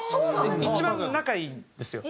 一番仲いいんですよ。